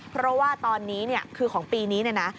เพราะว่าตอนนี้คือของปีนี้นะ